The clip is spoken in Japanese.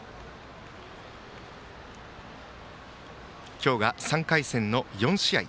今日が３回戦の４試合。